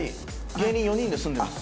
芸人４人で住んでます。